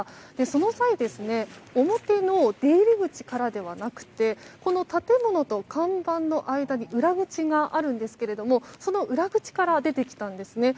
その際表の出入り口からではなくてこの建物と看板の間に裏口があるんですがその裏口から出てきたんですね。